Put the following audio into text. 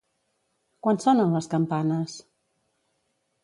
Quan sonen les campanes?